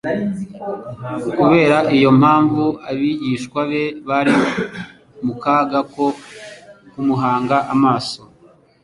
Kubera iyo mpamvu, abigishwa be bari mu kaga ko kumuhanga amaso